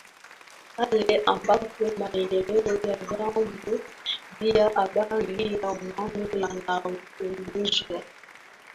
pale ambapo maendeleo ya vyombo vya habari vya umma yanapuuzwa